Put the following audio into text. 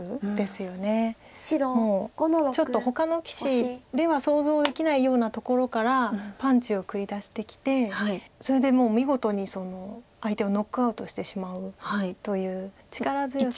もうちょっとほかの棋士では想像できないようなところからパンチを繰り出してきてそれでもう見事に相手をノックアウトしてしまうという力強さ。